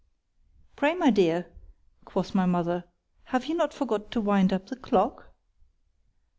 Pray my Dear, quoth my mother, _have you not forgot to wind up the clock?